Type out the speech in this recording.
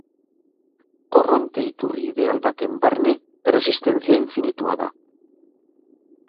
Korronte iturri ideal baten barne erresistentzia infinitua da.